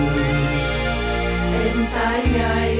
บรมนาจจักรีศีสยาม